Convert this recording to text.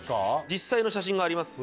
実際の写真があります。